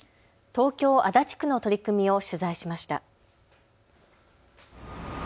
東京足立区の取り組みを取材しました。